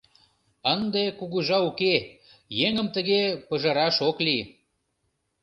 Ынде кугыжа уке, еҥым тыге пыжыраш ок лий.